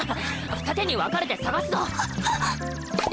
二手に分かれて捜すぞ！